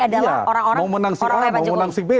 adalah orang orang mau menang si a mau menang si b